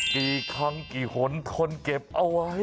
กี่ครั้งกี่หนทนเก็บเอาไว้